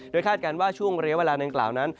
คาดการณ์ว่าช่วงระยะเวลาดังกล่าวนั้น